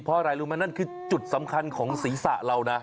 เพราะอะไรรู้ไหมนั่นคือจุดสำคัญของศีรษะเรานะ